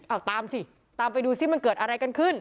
เอาตามสิตามไปดูซิมันเกิดอะไรกันขึ้น